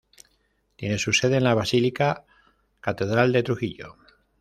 Tiene su sede en la basílica Catedral de Trujillo.